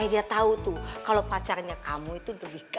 ih apa apaan sih udah ah